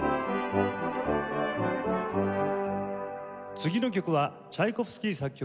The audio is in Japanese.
次の曲はチャイコフスキー作曲